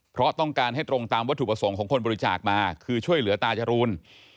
เพราะต้องการให้ตรงตามวัตถุประสงค์ของคนบริจาคมาคือช่วยเหลือตาจรูน